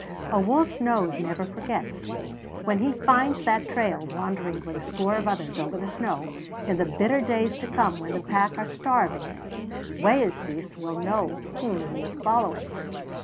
A wolf's nose never forgets. When he finds that trail wandering with a score of others over the snow, in the bitter days to come when the pack are starving, Wayeeses will know whom he is following.